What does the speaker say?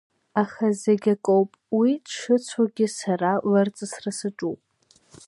Аха зегь акоуп, уи дшыцәоугьы сара лырҵысра саҿуп.